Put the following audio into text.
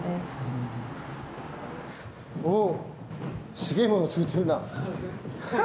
すげえもの作ってるな。